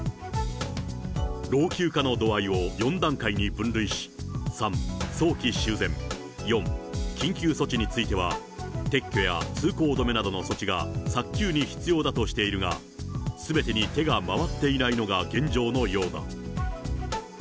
老朽化の度合いを４段階に分類し、３、早期修繕、４、緊急措置については撤去や通行止めなどの措置が早急に必要だとしているが、すべてに手が回っていないのが現状のようだ。